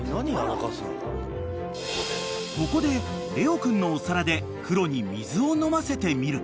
［ここでレオ君のお皿でクロに水を飲ませてみる］